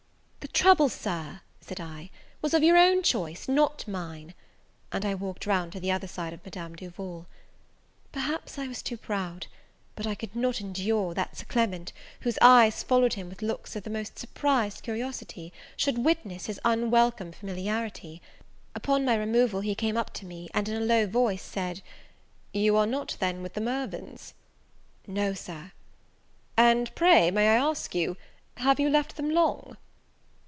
"The trouble, Sir," said I, "was of your own choice, not mine." And I walked round to the other side of Madame Duval. Perhaps I was too proud; but I could not endure that Sir Clement, whose eyes followed him with looks of the most surprised curiosity, should witness his unwelcome familiarity. Upon my removal he came up to me, and, in a low voice, said, "You are not, then, with the Mirvans?" "No, Sir." "And pray, may I ask you, have you left them long?"